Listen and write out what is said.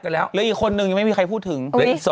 แล้วอีกคนนึงยังไม่มีใครพูดถึง